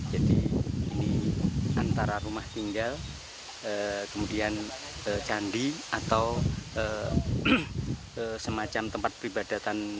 jadi ini antara rumah tinggal kemudian candi atau semacam tempat peribadatan